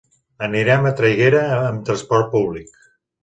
Anirem a Traiguera amb transport públic.